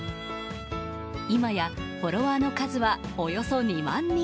今やフォロワーの数はおよそ２万人。